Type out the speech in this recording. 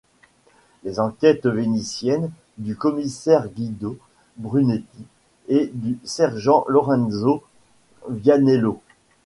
Les enquêtes vénitiennes du commissaire Guido Brunetti et du sergent Lorenzo Vianello.